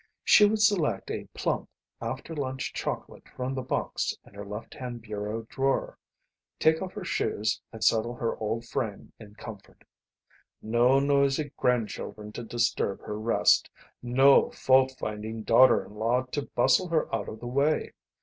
She would select a plump, after lunch chocolate from the box in her left hand bureau drawer, take off her shoes, and settle her old frame in comfort. No noisy grandchildren to disturb her rest. No fault finding daughter in law to bustle her out of the way.